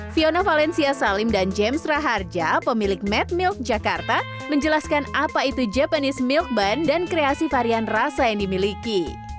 fiona valencia salim dan james raharja pemilik med milk jakarta menjelaskan apa itu japanese milk band dan kreasi varian rasa yang dimiliki